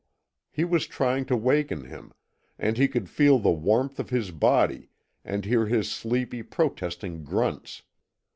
He was trying to waken him, and he could feel the warmth of his body and hear his sleepy, protesting grunts.